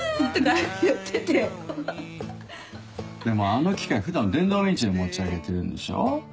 でもあの機械普段電動ウインチで持ち上げてるんでしょ。